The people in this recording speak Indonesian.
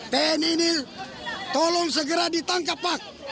tni ini tolong segera ditangkap pak